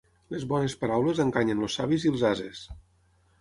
Les bones paraules enganyen els savis i els ases.